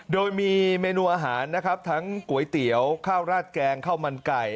โดยมีเมนูอาหารนะครับทั้งก๋วยเตี๋ยวข้าวราดแกงข้าวมันไก่